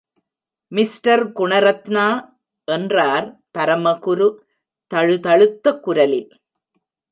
Mister Gunaratna, என்றார் பரமகுரு தழுதழுத்த குரலில்.